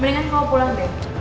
mendingan kamu pulang ben